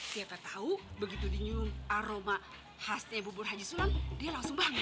siapa tahu begitu dinyum aroma khasnya bubur haji sulam dia langsung bangun